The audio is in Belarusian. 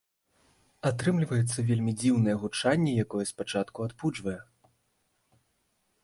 Атрымліваецца вельмі дзіўнае гучанне, якое спачатку адпужвае.